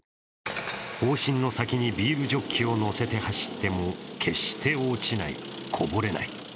砲身の先にビールジョッキを載せて走っても決して落ちない、こぼれない。